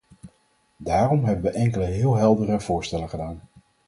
Daarom hebben we enkele heel heldere voorstellen gedaan.